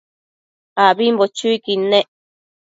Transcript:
ambimbo chuiquid nec